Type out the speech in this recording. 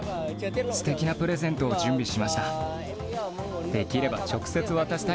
すてきなプレゼントを準備しました。